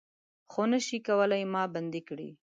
خو نه شئ کولای ما بندۍ کړي